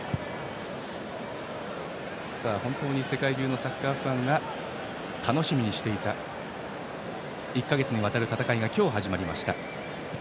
本当に世界中のサッカーファンが楽しみにしていた１か月にわたる戦いが今日、始まりました。